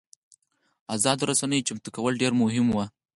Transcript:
ازادو رسنیو چمتو کول ډېر مهم وو.